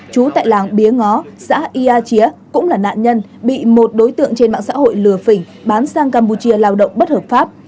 chú tại làng bía ngó xã ia chía cũng là nạn nhân bị một đối tượng trên mạng xã hội lừa phỉnh bán sang campuchia lao động bất hợp pháp